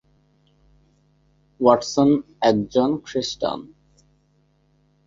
Watson একজন খ্রিষ্টান।